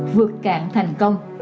vượt cạn thành công